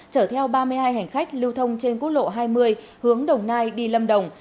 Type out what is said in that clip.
chở theo ba mươi hai hành khách lưu thông trên quốc lộ hai mươi hướng đồng nai đi lâm đồng